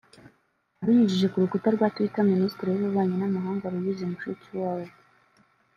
Abinyujije ku rukuta rwa Twitter Minisitri w’ububanyi n’amahanga Louise Mushikiwabo